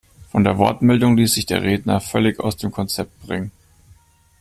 Von der Wortmeldung ließ sich der Redner völlig aus dem Konzept bringen.